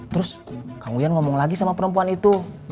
terus kang ujan ngomong lagi sama perempuan itu